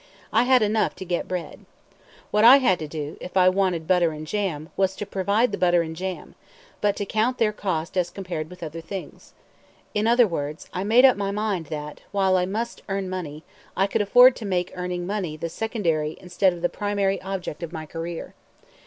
I had enough to get bread. What I had to do, if I wanted butter and jam, was to provide the butter and jam, but to count their cost as compared with other things. In other words, I made up my mind that, while I must earn money, I could afford to make earning money the secondary instead of the primary object of my career.